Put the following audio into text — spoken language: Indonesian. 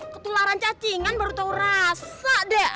ketularan cacingan baru tau rasa deh